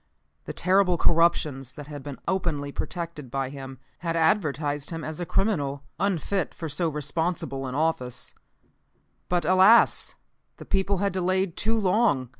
The terrible corruptions that had been openly protected by him, had advertised him as criminally unfit for so responsible an office. But, alas! the people had delayed too long.